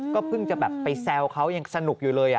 ก็เพิ่งจะแบบไปแซวเขายังสนุกอยู่เลย